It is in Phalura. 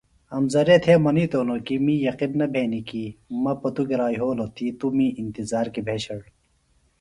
امزرے تھےۡ منیتوۡ ہِنوۡ کیۡ می یقِن نہ بھینیۡ کیۡ مہ پتوۡ گرا یھولوۡ تی توۡ می انتظار کیۡ بھیشڑ